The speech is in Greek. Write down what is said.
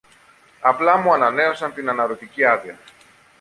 Απλά μου ανανέωσαν την αναρρωτική άδεια